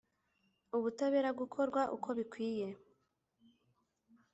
ubutabera gukorwa uko bikwiye.